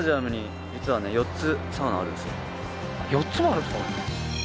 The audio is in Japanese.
４つもあるんですか？